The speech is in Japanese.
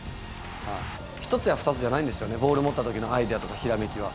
一つや二つじゃないんですよね、ボール持ったときのアイデアとかひらめきは。